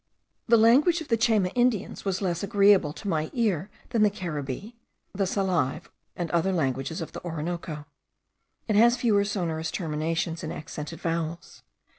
The language of the Chayma Indians was less agreeable to my ear than the Caribbee, the Salive, and other languages of the Orinoco. It has fewer sonorous terminations in accented vowels.